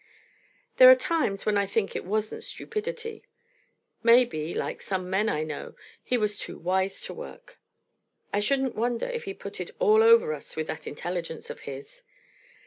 There are times when I think it wasn't stupidity. Maybe, like some men I know, he was too wise to work. I shouldn't wonder if he put it all over us with that intelligence of his.